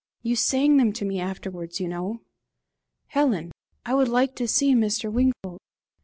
You sang them to me afterwards, you know. Helen, I should like to see Mr. Wingfold.